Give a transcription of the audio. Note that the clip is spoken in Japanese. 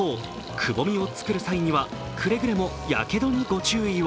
くぼみを作る際はくれぐれもやけどにご注意を